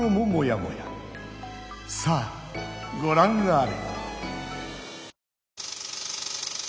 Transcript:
さあごらんあれ！